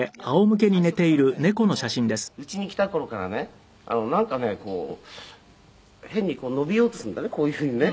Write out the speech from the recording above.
「最初からねうちに来た頃からねなんかねこう変に伸びようとするんだねこういうふうにね」